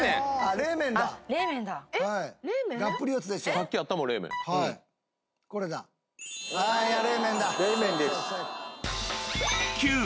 冷麺です。